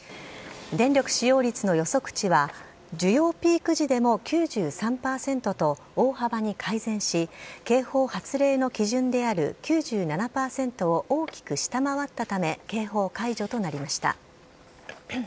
電力使用率の予測値は、需要ピーク時でも９３％と、大幅に改善し、警報発令の基準である９７％を大きく下回ったため、警報解除となりました。